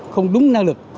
không đúng năng lực